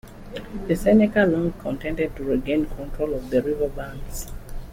The Seneca long contended to regain control of the river banks.